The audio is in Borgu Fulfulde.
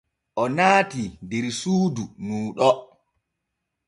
O naatii der suudu nuu ɗo.